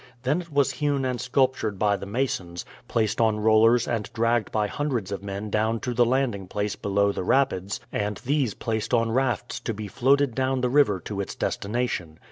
Then it was hewn and sculptured by the masons, placed on rollers and dragged by hundreds of men down to the landing place below the rapids, and these placed on rafts to be floated down the river to its destination.